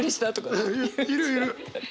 いるいる！